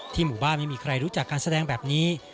หมู่บ้านไม่มีใครรู้จักการแสดงแบบนี้